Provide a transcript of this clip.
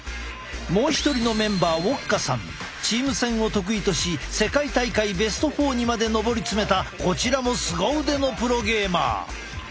もう一人のメンバーチーム戦を得意とし世界大会ベスト４にまで上り詰めたこちらもすご腕のプロゲーマー。